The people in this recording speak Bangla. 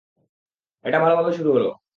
এটা ভালোভাবেই শুরু হলো।